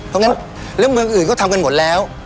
เพราะงั้นเรื่องเมืองอื่นก็ทำกันหมดแล้ว